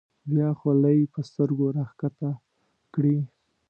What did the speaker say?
بیا خولۍ په سترګو راښکته کړي.